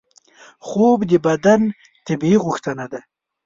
خوب د بدن طبیعي غوښتنه ده